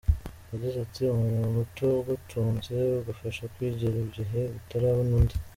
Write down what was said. Yagize ati “Umurimo muto ugutunze ugufasha kwigira igihe utarabona undi.